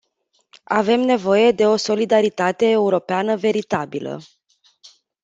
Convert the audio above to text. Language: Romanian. Avem nevoie de o solidaritate europeană veritabilă.